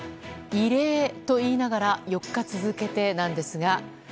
異例と言いながら４日続けてなんですが。